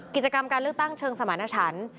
กิจกรรมการเลือกตั้งเชิงสมาณฉัน